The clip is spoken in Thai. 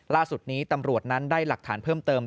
ล่าสุดนี้ตำรวจนั้นได้หลักฐานเพิ่มเติม